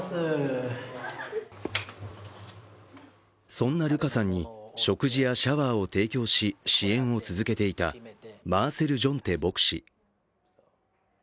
そんなルカさんに食事やシャワーを提供し支援を続けていたマーセル・ジョンテ牧師。